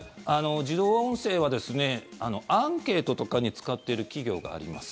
自動音声はアンケートとかに使っている企業があります。